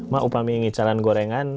mak apa yang kamu ingin cari gorengan